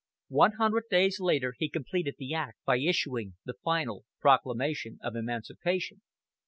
One hundred days later he completed the act by issuing the final proclamation of emancipation.